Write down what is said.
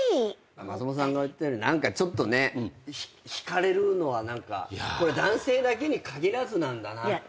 松本さんが言ったように何かちょっと引かれるのは男性だけに限らずなんだなって。